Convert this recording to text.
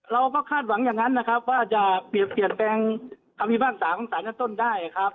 เราก็คาดหวังอย่างนั้นนะครับว่าจะเปรียบเปลี่ยนแปลงคำพิพากษาของสารชั้นต้นได้ครับ